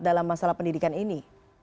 dalam masalah pendidikan ini